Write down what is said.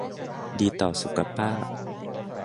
ดีต่อสุขภาพ